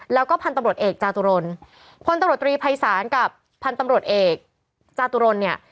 แล้วก็พลตำรวจเอกจาตุรนทร์พลตำรวจตรีภัยศาสตร์กับพลตำรวจเอกจาตุรนทร์เนี่ย